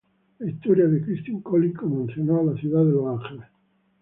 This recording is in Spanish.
La historia de Christine Collins conmocionó a la ciudad de Los Ángeles.